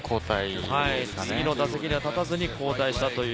次の打席には立たずに交代したという。